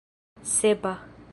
sepa